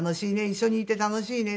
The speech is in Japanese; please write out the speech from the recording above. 一緒にいて楽しいね。